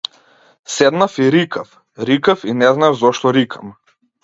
Седнав и рикав, рикав и не знаев зошто рикам.